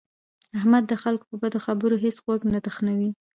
احمد د خلکو په بدو خبرو هېڅ غوږ نه تخنوي.